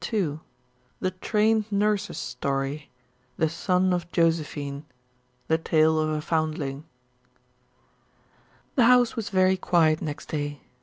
II THE TRAINED NURSE'S STORY THE SON OF JOSEPHINE THE TALE OF A FOUNDLING The house was very quiet next day.